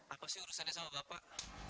apa sih urusannya sama bapak